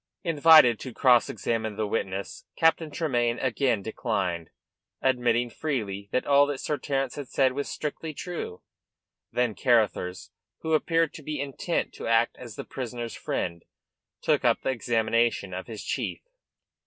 Invited to cross examine the witness, Captain Tremayne again declined, admitting freely that all that Sir Terence had said was strictly true. Then Carruthers, who appeared to be intent to act as the prisoner's friend, took up the examination of his chief.